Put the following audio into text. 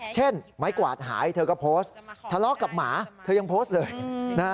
ไม้กวาดหายเธอก็โพสต์ทะเลาะกับหมาเธอยังโพสต์เลยนะฮะ